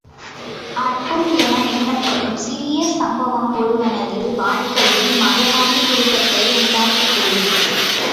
அற்பம் என எண்ணப்படும் சிறிய சம்பவம், ஒருவனது வாழ்க்கையில் மகத்தான திருப்பத்தை உண்டாக்கக்கூடும்.